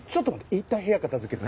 いったん部屋片付ける。